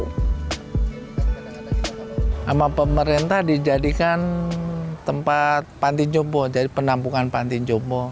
sama pemerintah dijadikan tempat panti jompo jadi penampungan panti jombo